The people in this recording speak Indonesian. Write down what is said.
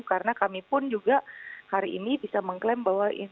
karena kami pun juga hari ini bisa mengklaim bahwa